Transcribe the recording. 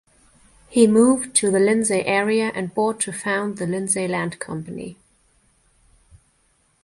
He moved to the Lindsay area and bought to found the Lindsay Land Company.